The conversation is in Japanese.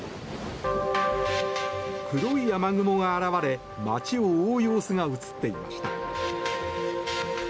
黒い雨雲が現れ街を覆う様子が映っていました。